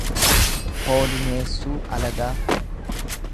poolineessuu alagaa